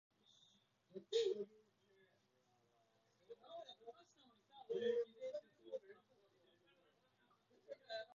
かつて、地球には極域に氷床が存在しない時期があった。